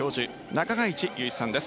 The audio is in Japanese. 中垣内祐一さんです。